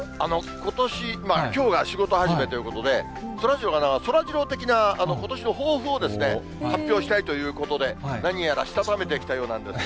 ことし、きょうが仕事始めということで、そらジローが、そらジロー的なことしの抱負を発表したいということで、何やらしたためてきたそうなんですが。